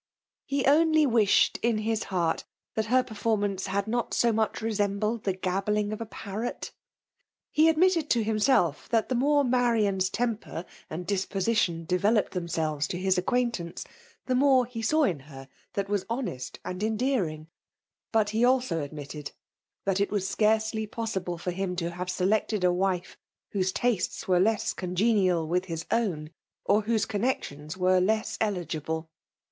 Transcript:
He only wished in his heart that her performance had not so much resembled the gabbling of a parrot. He admitted to himself, tjiat the more Marian's temper and disposition developed themselves to Ms acquaintance, the more he snw in her that was honest and endearing ; but he also admitted, that it was scarcely possible for him to have selected a wife whose tastes were less congenial with his own, or whose connexions wese less eligible.